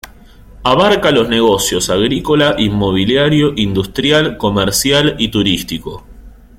Abarca los negocios agrícola, inmobiliario, industrial, comercial y turístico.